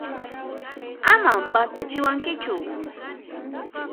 Aman pantachiwankichu!